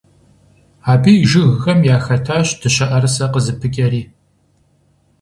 Абы и жыгхэм яхэтащ дыщэӀэрысэ къызыпыкӀэри.